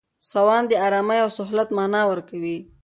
سوان د آرامۍ او سهولت مانا ورکوي.